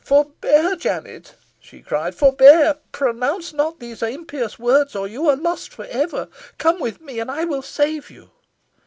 "Forbear, Jennet," she cried; "forbear! Pronounce not those impious words, or you are lost for ever. Come with me, and I will save you."